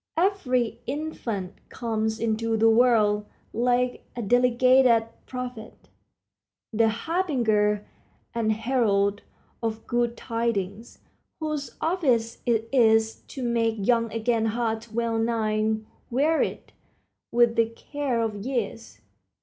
Every infant comes into the world, like a delegated prophet, the harbinger and herald of good tidings, whose office it is to make young again hearts well nigh wearied with the cares of years.